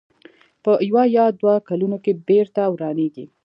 په یوه یا دوو کلونو کې بېرته ورانېږي.